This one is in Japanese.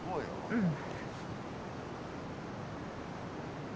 うん。